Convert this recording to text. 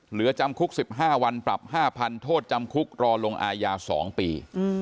เหลือจำคุก๑๕วันปรับ๕๐๐โทษจำคุกรอลงอาญา๒ปี